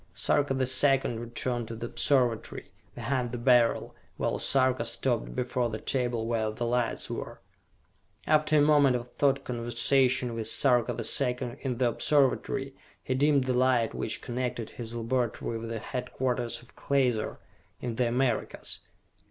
Sarka the Second returned to the Observatory, behind the Beryl, while Sarka stopped before the table where the lights were. After a moment of thought conversation with Sarka the Second in the Observatory, he dimmed the light which connected his laboratory with the headquarters of Klaser, in the Americas.